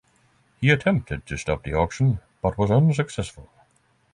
He attempted to stop the auction, but was unsuccessful.